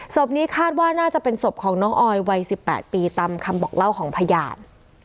ศพนี้คาดว่าน่าจะเป็นศพของน้องออยวัย๑๘ปีตามคำบอกเล่าของพยาน